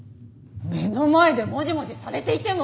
目の前でモジモジされていても！？